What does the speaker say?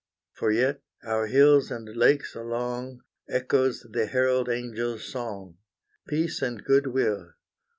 For yet our hills and lakes along Echoes the herald angels' song, Peace and good will!